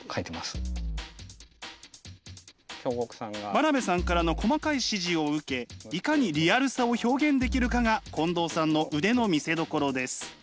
真鍋さんからの細かい指示を受けいかにリアルさを表現できるかが近藤さんの腕の見せどころです。